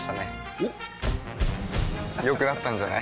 おっ良くなったんじゃない？